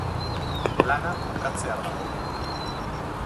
Lana bukatzear dago.